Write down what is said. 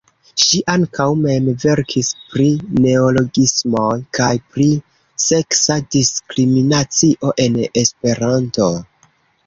Ŝi ankaŭ mem verkis pri "neologismoj" kaj pri "seksa diskriminacio" en Esperanto.